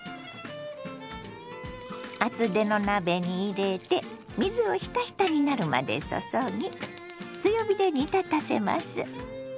厚手の鍋に入れて水をひたひたになるまで注ぎ強火で煮立たせます。